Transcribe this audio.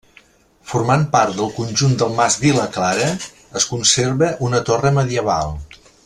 Formant part del conjunt del mas Vilaclara, es conserva una torre medieval.